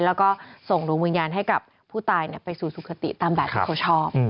แล้วก็ส่งดวงวิญญาณให้กับผู้ตายไปสู่สุขติตามแบบที่เขาชอบ